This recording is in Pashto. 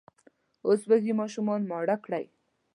اوس وږي ماشومان ماړه کړئ!